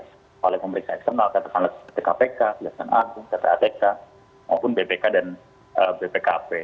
kepala pemeriksaan eksternal kata kata seperti kpk bkpk ppkpk maupun bpk dan bpkp